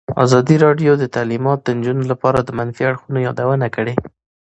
ازادي راډیو د تعلیمات د نجونو لپاره د منفي اړخونو یادونه کړې.